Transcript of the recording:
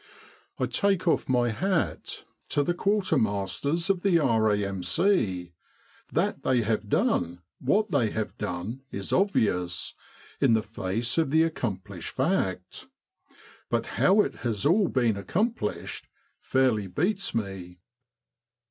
I take off my hat to the quartermasters of the R.A.M.C. That they have done what they have done is obvious, in the face of the accomplished fact. But how it has all been accomplished fairly beats me.